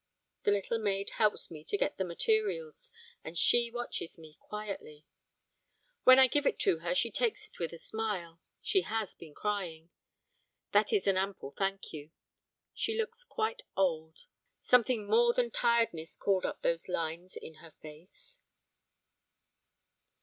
The little maid helps me to get the materials, and she watches me quietly. When I give it to her she takes it with a smile (she has been crying). That is an ample thank you. She looks quite old. Something more than tiredness called up those lines in her face.